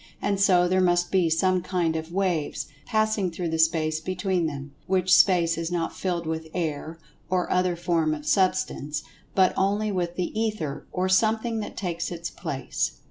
And so there must be some kind of "waves" passing through the space between them, which space is not filled with "air," or other form of Substance, but only with "the Ether," or something that takes its place.